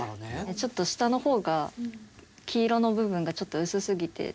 ちょっと下の方が黄色の部分がちょっと薄すぎてテレビ的には。